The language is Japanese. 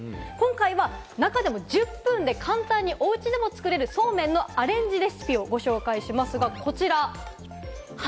今回は中でも１０分で簡単におうちでも作れる、そうめんのアレンジレシピをご紹介しますが、こちらです。